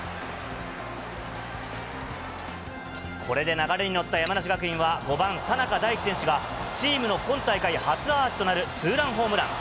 これで流れに乗った山梨学院は５番佐仲大輝選手が、チームの今大会初アーチとなるツーランホームラン。